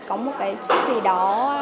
có một cái chút gì đó